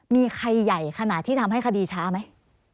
มีใครใหญ่ขนาดที่ทำให้คดีช้าไหม